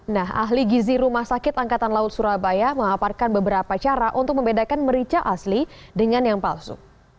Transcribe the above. nah ahli gizi rumah sakit angkatan laut surabaya mengaparkan beberapa cara untuk membedakan merica asli dengan yang palsu